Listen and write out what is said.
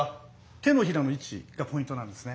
手のひらの位置がポイントなんですね。